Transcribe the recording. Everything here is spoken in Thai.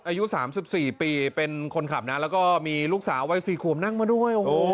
อายุสามสิบสี่ปีเป็นคนขับนะแล้วก็มีลูกสาวไว้สี่ขวบนั่งมาด้วยโอ้โห